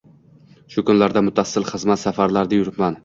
Shu kunlarda muttasil xizmat safarlarida yuribman.